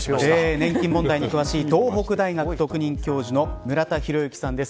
年金問題に詳しい東北大学特任教授の村田裕之さんです。